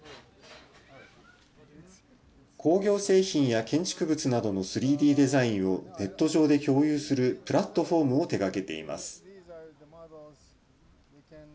工業製品や建築物などの３Ｄデザインをネット上で共有するプラットフォームを手がけています。